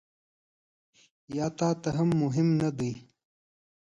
یا تا ته مهم نه دي ؟